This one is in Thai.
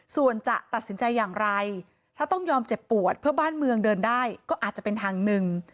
ส่วนจะตัดสินใจอย่างไรถ้าต้องยอมเจ็บปวดเพื่อบ้านเมืองเดินได้ก็อาจจะเป็นทางหนึ่ง